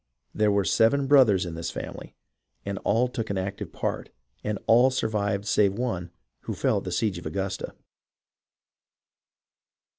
There were seven brothers in this family, and all took an active part, and all survived save one, who fell at the siege of Augusta.